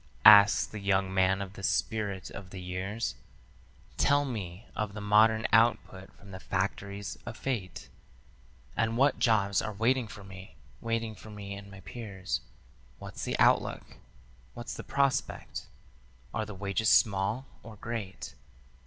asks the young man of the Spirit of the Years; "Tell me of the modern output from the factories of fate, And what jobs are waiting for me, waiting for me and my peers. What's the outlook? What's the prospect? Are the wages small or great?"